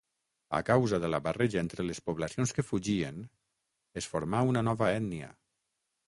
A causa de la barreja entre les poblacions que fugien, es formà una nova ètnia.